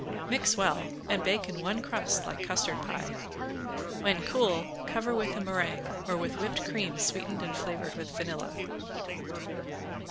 Mix well and bake in one crust like custard pie. When cool cover with a meringue or with whipped cream sweetened and flavored with vanilla.